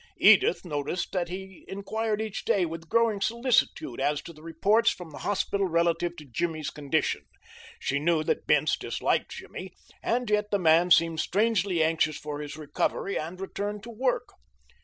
Edith noticed that he inquired each day with growing solicitude as to the reports from the hospital relative to Jimmy's condition. She knew that Bince disliked Jimmy, and yet the man seemed strangely anxious for his recovery and return to work.